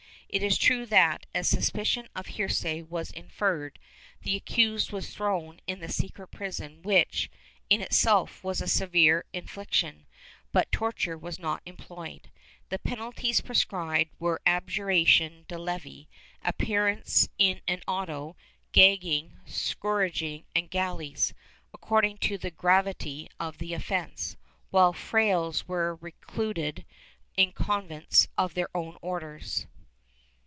It is true that, as suspicion of heresy was inferred, the accused was thrown in the secret prison which, in itself, was a severe infliction, but torture was not employed. The penalties prescribed were abjura tion de levi, appearance in an auto, gagging, scourging and galleys, according to the gravity of the offence, while frailes were recluded in convents of their own Orders.